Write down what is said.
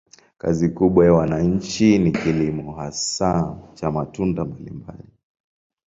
Kazi kubwa ya wananchi ni kilimo, hasa cha matunda mbalimbali.